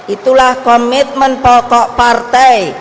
itulah komitmen pokok partai